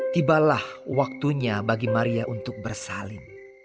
tibalah waktunya bagi maria untuk bersalin